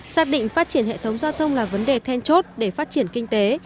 xác định phát triển hệ thống giao thông là vấn đề then chốt để phát triển kinh tế